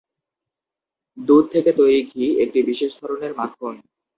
দুধ থেকে তৈরি ঘি, একটি বিশেষ ধরনের মাখন।